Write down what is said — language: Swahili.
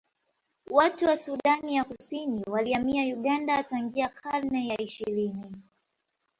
Watu wa Sudani ya Kusini walihamia Uganda tangia karne ya ishirini